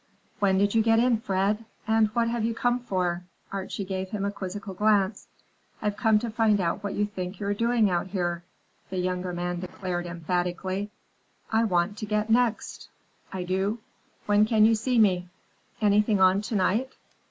"When did you get in, Fred? And what have you come for?" Archie gave him a quizzical glance. "I've come to find out what you think you're doing out here," the younger man declared emphatically. "I want to get next, I do. When can you see me?" "Anything on to night?